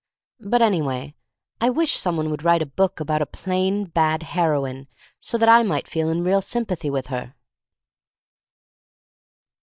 But, anyway, I wish some one would write a book about a plain, bad heroine so that I might feel in real sympathy with her.